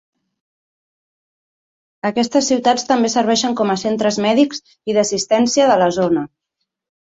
Aquestes ciutats també serveixen com a centres mèdics i d'assistència de la zona.